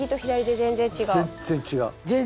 全然違うね！